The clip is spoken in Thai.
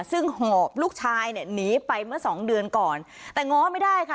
ซึ่งหอบลูกชายเนี่ยหนีไปเมื่อสองเดือนก่อนแต่ง้อไม่ได้ค่ะ